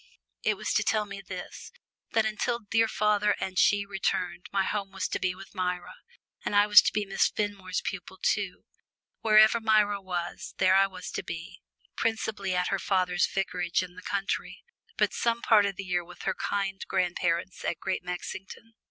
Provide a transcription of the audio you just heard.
It was to tell me this that till dear father and she returned, my home was to be with Myra, and I was to be Miss Fenmore's pupil too. Wherever Myra was, there I was to be principally at her father's vicarage in the country, but some part of the year with her kind grandparents at Great Mexington.